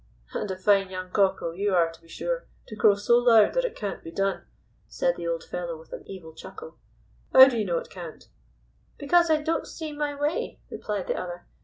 "And a fine young cockerel you are to be sure, to crow so loud that it can't be done," said the old fellow, with an evil chuckle. "How do you know it can't?" "Because I don't see my way," replied the other.